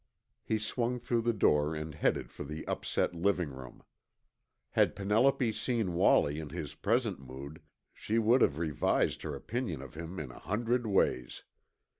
He swung through the door and headed for the upset living room. Had Penelope seen Wallie in his present mood, she would have revised her opinion of him in a hundred ways.